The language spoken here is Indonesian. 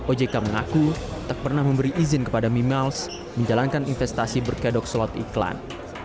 ojk mengaku tak pernah memberi izin kepada mimiles menjalankan investasi berkedok slot iklan